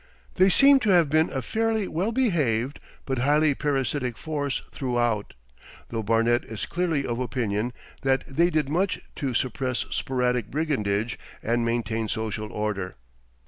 They seem to have been a fairly well behaved, but highly parasitic force throughout, though Barnet is clearly of opinion that they did much to suppress sporadic brigandage and maintain social order.